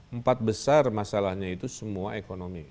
empat besar masalahnya itu semua ekonomi